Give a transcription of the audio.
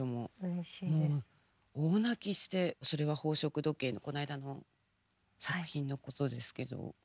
もう大泣きしてそれは「宝飾時計」のこの間の作品のことですけど。